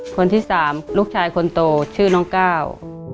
คนที่สามลูกชายคนโตชื่อน้องก้าว